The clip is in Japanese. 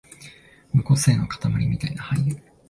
無個性のかたまりみたいな俳優